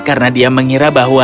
karena dia mengira bahwa